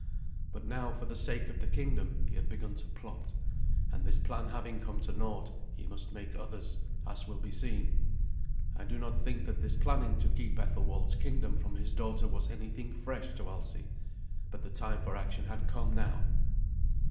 But now, for the sake of the kingdom, he had begun to plot; and this plan having come to naught, he must make others, as will be seen. I do not think that this planning to keep Ethelwald's kingdom from his daughter was anything fresh to Alsi, but the time for action had come now.